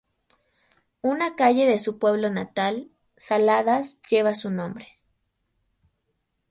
Una calle de su pueblo natal, Saladas, lleva su nombre.